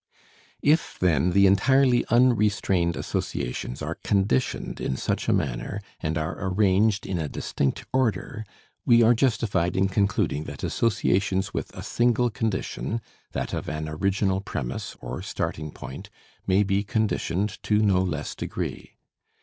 If then the entirely unrestrained associations are conditioned in such a manner and are arranged in a distinct order, we are justified in concluding that associations with a single condition, that of an original premise, or starting point, may be conditioned to no less degree.